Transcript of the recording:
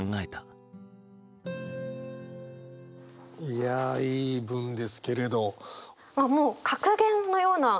いやいい文ですけれど。